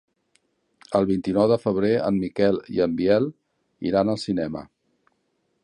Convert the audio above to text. El vint-i-nou de febrer en Miquel i en Biel iran al cinema.